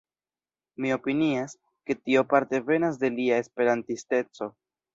Mi opinias, ke tio parte venas de lia Esperantisteco